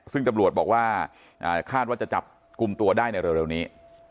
ซึ่งตำรวจบอกว่าคาดว่าจะจับกลุ่มตัวได้ในเร็วนี้